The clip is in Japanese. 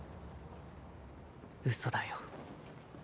嘘だよ。